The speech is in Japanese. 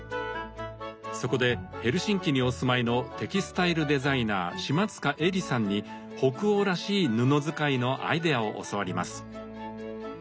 そこでヘルシンキにお住まいのテキスタイルデザイナー島塚絵里さんに北欧らしい布使いのアイデアを教わります。